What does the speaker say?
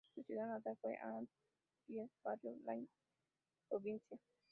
Su ciudad natal fue Tay An, Tien Hai barrio Tailandia Binh provincia.